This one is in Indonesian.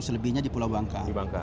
selebihnya di pulau bangka